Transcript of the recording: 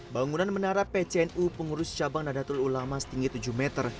bangunan menara pcnu pengurus cabang nadatul ulama setinggi tujuh meter